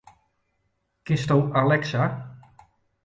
Kinsto Alexa?